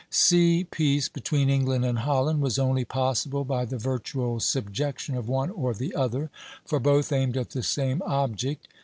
Sea peace between England and Holland was only possible by the virtual subjection of one or the other, for both aimed at the same object.